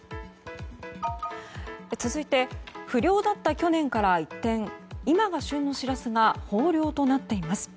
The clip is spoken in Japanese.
続いて不漁だった去年から一転今が旬のシラスが豊漁となっています。